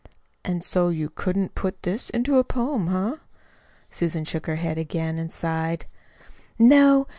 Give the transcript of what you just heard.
"And so you couldn't put this into a poem eh?" Susan shook her head again and sighed. "No.